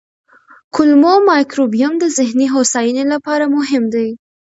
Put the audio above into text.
کولمو مایکروبیوم د ذهني هوساینې لپاره مهم دی.